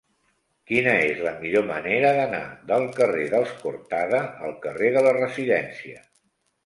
Quina és la millor manera d'anar del carrer dels Cortada al carrer de la Residència?